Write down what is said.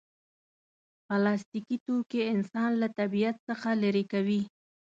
پلاستيکي توکي انسان له طبیعت څخه لرې کوي.